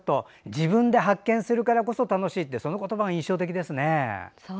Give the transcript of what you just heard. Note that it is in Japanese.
自分で発見するからこそ楽しいって、その言葉が印象的ですね。